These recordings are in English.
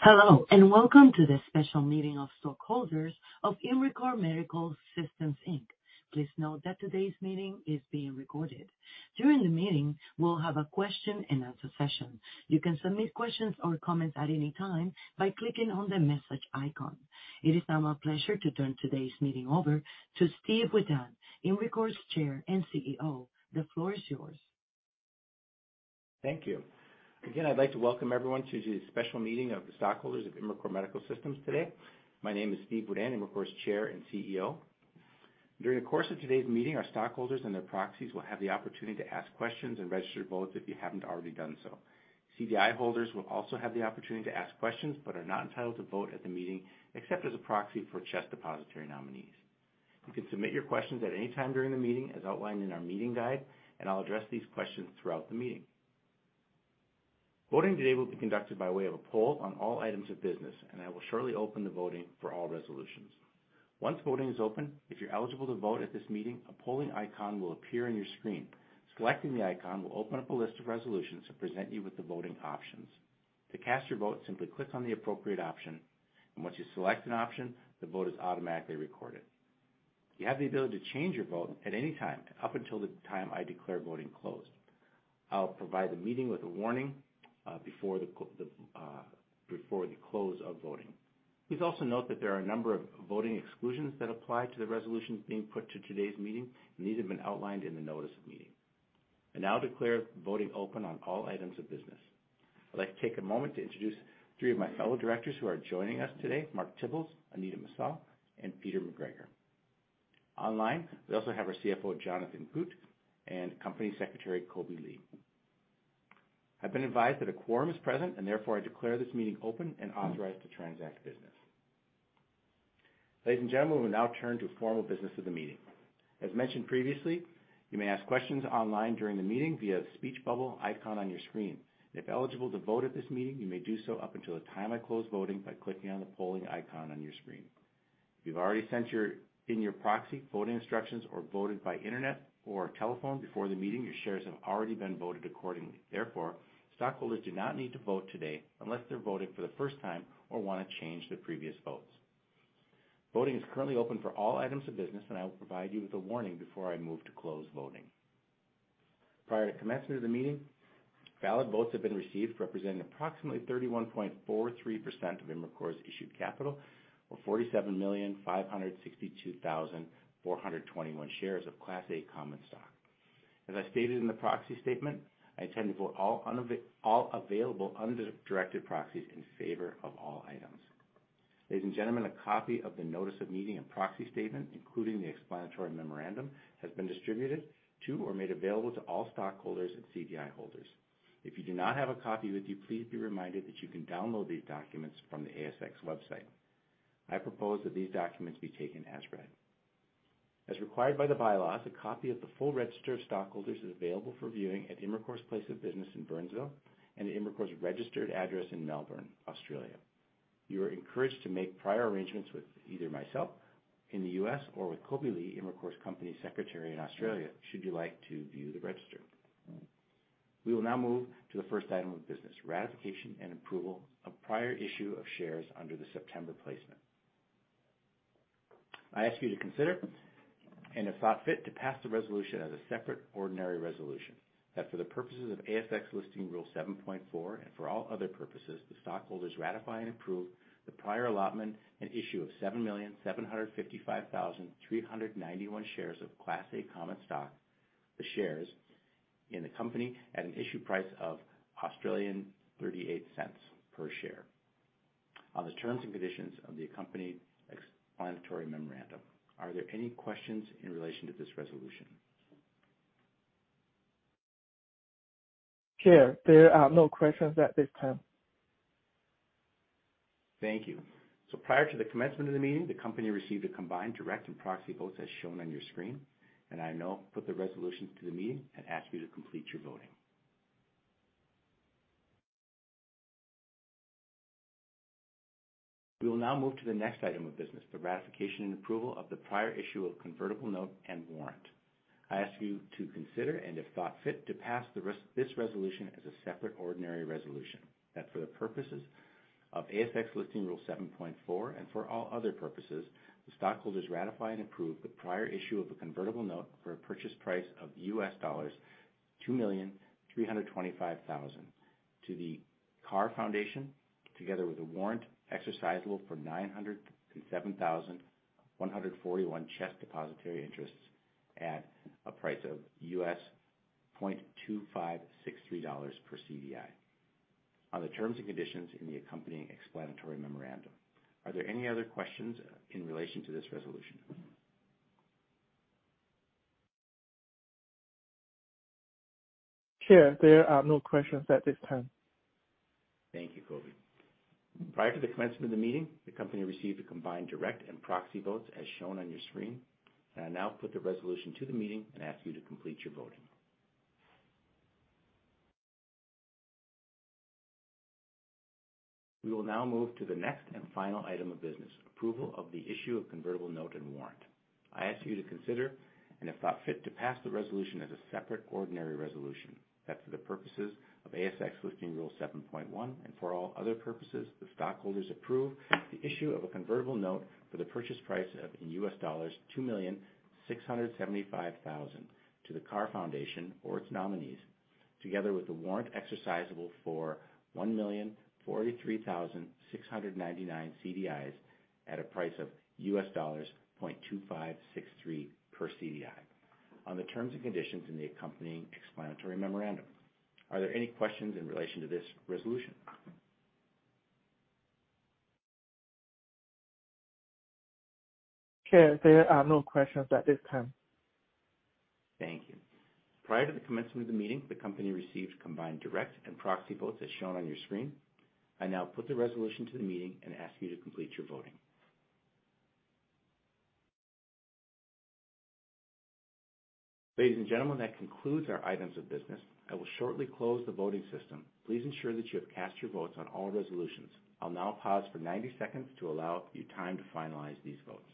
Hello, and welcome to this special meeting of stockholders of Imricor Medical Systems, Inc. Please note that today's meeting is being recorded. During the meeting, we'll have a question and answer session. You can submit questions or comments at any time by clicking on the message icon. It is now my pleasure to turn today's meeting over to Steve Wedan, Imricor's Chair and CEO. The floor is yours. Thank you. Again, I'd like to welcome everyone to the special meeting of the stockholders of Imricor Medical Systems today. My name is Steve Wedan, Imricor's Chair and CEO. During the course of today's meeting, our stockholders and their proxies will have the opportunity to ask questions and register votes if you haven't already done so. CDI holders will also have the opportunity to ask questions, but are not entitled to vote at the meeting except as a proxy for CHESS Depositary Nominees. You can submit your questions at any time during the meeting, as outlined in our meeting guide, and I'll address these questions throughout the meeting. Voting today will be conducted by way of a poll on all items of business, and I will shortly open the voting for all resolutions. Once voting is open, if you're eligible to vote at this meeting, a polling icon will appear on your screen. Selecting the icon will open up a list of resolutions to present you with the voting options. To cast your vote, simply click on the appropriate option, and once you select an option, the vote is automatically recorded. You have the ability to change your vote at any time up until the time I declare voting closed. I'll provide the meeting with a warning before the close of voting. Please also note that there are a number of voting exclusions that apply to the resolutions being put to today's meeting, and these have been outlined in the notice of meeting. I now declare voting open on all items of business. I'd like to take a moment to introduce three of my fellow directors who are joining us today, Mark Tibbles, Anita Messal, and Peter McGregor. Online, we also have our CFO, Jonathan Gut, and Company Secretary, Kobe Li. I've been advised that a quorum is present, and therefore I declare this meeting open and authorized to transact business. Ladies and gentlemen, we now turn to formal business of the meeting. As mentioned previously, you may ask questions online during the meeting via the speech bubble icon on your screen. If eligible to vote at this meeting, you may do so up until the time I close voting by clicking on the polling icon on your screen. If you've already sent in your proxy voting instructions or voted by internet or telephone before the meeting, your shares have already been voted accordingly. Therefore, stockholders do not need to vote today unless they're voting for the first time or wanna change their previous votes. Voting is currently open for all items of business, and I will provide you with a warning before I move to close voting. Prior to commencement of the meeting, valid votes have been received, representing approximately 31.43% of Imricor's issued capital, or 47,562,421 shares of Class A common stock. As I stated in the proxy statement, I intend to vote all available undirected proxies in favor of all items. Ladies and gentlemen, a copy of the notice of meeting and proxy statement, including the explanatory memorandum, has been distributed to or made available to all stockholders and CDI holders. If you do not have a copy with you, please be reminded that you can download these documents from the ASX website. I propose that these documents be taken as read. As required by the bylaws, a copy of the full register of stockholders is available for viewing at Imricor's place of business in Burnsville and Imricor's registered address in Melbourne, Australia. You are encouraged to make prior arrangements with either myself in the U.S. or with Kobe Li, Imricor's Company Secretary in Australia, should you like to view the register. We will now move to the first item of business, ratification and approval of prior issue of shares under the September placement. I ask you to consider, and if thought fit, to pass the resolution as a separate ordinary resolution. For the purposes of ASX Listing Rule 7.4 and for all other purposes, the stockholders ratify and approve the prior allotment and issue of 7,755,391 shares of Class A common stock. The shares in the company at an issue price of 0.38 per share on the terms and conditions of the accompanied explanatory memorandum. Are there any questions in relation to this resolution? Chair, there are no questions at this time. Thank you. Prior to the commencement of the meeting, the company received a combined direct and proxy votes, as shown on your screen, and I now put the resolution to the meeting and ask you to complete your voting. We will now move to the next item of business, the ratification and approval of the prior issue of convertible note and warrant. I ask you to consider, and if thought fit, to pass this resolution as a separate ordinary resolution. That for the purposes of ASX Listing Rule 7.4 and for all other purposes, the stockholders ratify and approve the prior issue of a convertible note for a purchase price of $2,325,000 to the K.A.H.R. Foundation, together with a warrant exercisable for 907,141 CHESS Depositary Interests at a price of $0.2563 per CDI on the terms and conditions in the accompanying explanatory memorandum. Are there any other questions in relation to this resolution? Chair, there are no questions at this time. Thank you, Kobe. Prior to the commencement of the meeting, the company received a combined direct and proxy votes as shown on your screen. I now put the resolution to the meeting and ask you to complete your voting. We will now move to the next and final item of business, approval of the issue of convertible note and warrant. I ask you to consider, and if thought fit, to pass the resolution as a separate ordinary resolution. That's for the purposes of ASX Listing Rule 7.1, and for all other purposes, the stockholders approve the issue of a convertible note for the purchase price of, in US dollars, $2,675,000 to the K.A.H.R. Foundation or its nominees, together with the warrant exercisable for 1,043,699 CDIs at a price of $0.2563 per CDI on the terms and conditions in the accompanying explanatory memorandum. Are there any questions in relation to this resolution? Chair, there are no questions at this time. Thank you. Prior to the commencement of the meeting, the company received combined direct and proxy votes as shown on your screen. I now put the resolution to the meeting and ask you to complete your voting. Ladies and gentlemen, that concludes our items of business. I will shortly close the voting system. Please ensure that you have cast your votes on all resolutions. I'll now pause for 90 seconds to allow you time to finalize these votes.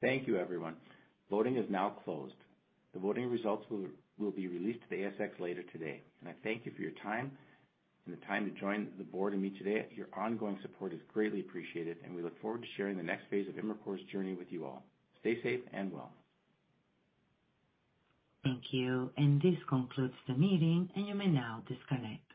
Thank you, everyone. Voting is now closed. The voting results will be released to the ASX later today. I thank you for your time, and the time to join the board and me today. Your ongoing support is greatly appreciated, and we look forward to sharing the next phase of Imricor's journey with you all. Stay safe and well. Thank you. This concludes the meeting, and you may now disconnect.